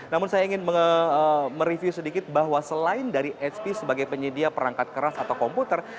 namun saya ingin mereview sedikit bahwa selain dari hp sebagai penyedia perangkat keras atau komputer